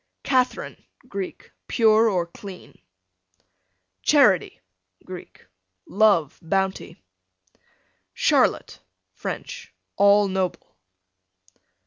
Catherine, Greek, pure or clean, Charity, Greek, love, bounty. Charlotte, French, all noble.